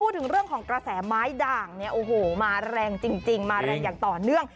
พูดถึงเรื่องของกระแสไม้ด่างเนี่ยโอ้โหมาแรงจริงมาแรงอย่างต่อเนื่อง